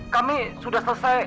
kami sudah selesai